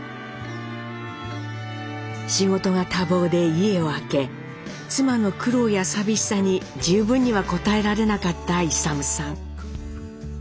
仕事が多忙で家を空け妻の苦労や寂しさに十分には応えられなかった勇さん。